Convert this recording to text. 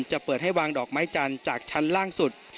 จะเปิดให้วางดอกไม้จันทร์จากชั้นล่างสุด